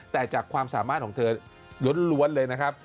แต่จากความสามารถของเธอล้วนเลยนะครับ